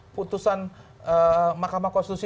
putusan makam konstitusi